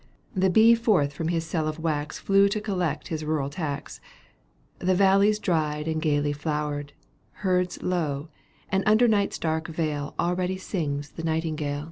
The bee forth from his cell of wax Flew to collect his rural tax ; The valleys dried and gaily flowered ; Herds low, and under night's dark veil Already sings the nightingale.